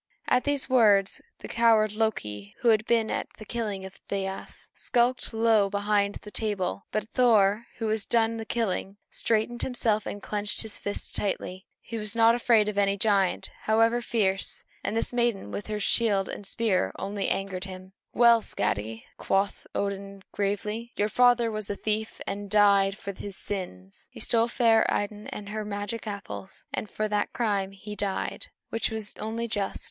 At these words the coward Loki, who had been at the killing of Thiasse, skulked low behind the table; but Thor, who had done the killing, straightened himself and clenched his fists tightly. He was not afraid of any giant, however fierce, and this maiden with her shield and spear only angered him. "Well, Skadi," quoth Odin gravely, "your father was a thief, and died for his sins. He stole fair Idun and her magic apples, and for that crime he died, which was only just.